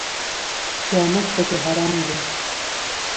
خیانت پکې حرام دی